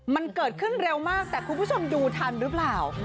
มันเกิดขึ้นเร็วมากแต่คุณผู้ชมดูทันหรือเปล่า